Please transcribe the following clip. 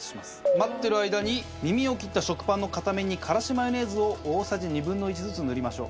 待ってる間に耳を切った食パンの片面にからしマヨネーズを大さじ２分の１ずつ塗りましょう。